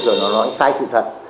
rồi nó nói sai sự thật